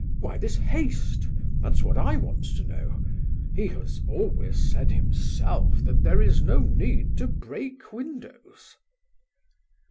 Why this haste? That's what I want to know. He has always said himself that there is no need to break windows."